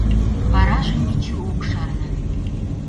Варажым Мичу ок шарне...